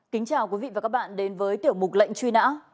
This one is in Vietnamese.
kính chào quý vị và các bạn đến với tiểu mục lệnh truy nã